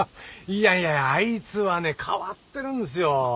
いやいやあいつはね変わってるんですよ。